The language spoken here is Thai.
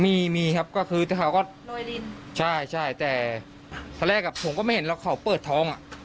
มีมีครับก็คือเขาก็โรยลินใช่ใช่แต่ตอนแรกอ่ะผมก็ไม่เห็นหรอกเขาเปิดท้องอ่ะ